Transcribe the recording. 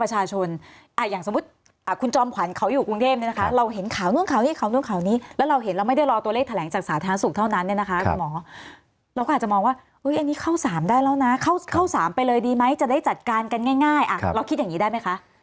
ขาวนู่นขาวนี้แล้วเราเห็นเราไม่ได้รอตัวเลขแถลงจากสาธารณสุขเท่านั้นเนี่ยนะคะคุณหมอเราก็อาจจะมองว่าอันนี้เข้าสามได้แล้วนะเข้าสามไปเลยดีไหมจะได้จัดการกันง่ายเราคิดอย่างนี้ได้ไหมคะ